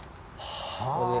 はあ。